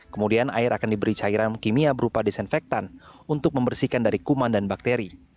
kemudian air akan diberi cairan kimia berupa desinfektan untuk membersihkan dari kuman dan bakteri